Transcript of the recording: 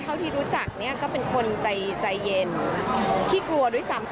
เท่าที่รู้จักเนี่ยก็เป็นคนใจเย็นขี้กลัวด้วยซ้ำ